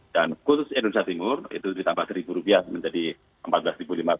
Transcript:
dan khusus indonesia timur itu ditambah rp satu menjadi rp empat belas lima ratus